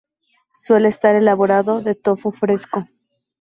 Suele estar elaborado de tofu fresco.